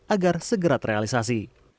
agar segera terrealisasi